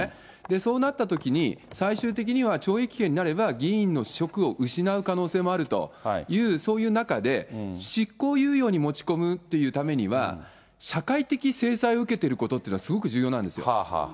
そうなったときに、最終的には懲役刑になれば議員の職を失う可能性もあるというそういう中で、執行猶予に持ち込むというためには、社会的制裁を受けてることっていうのはすごく重要なんですよ。